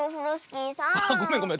ごめんごめん。